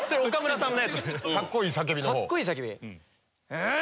えっ？